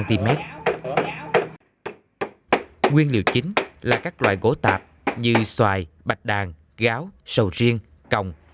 nguyên liệu chính là các loại gỗ tạp như xoài bạch đàn gáo sầu riêng còng